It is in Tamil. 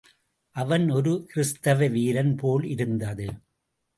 அவன் ஒரு கிறிஸ்தவ வீரன் போல் இருந்தது.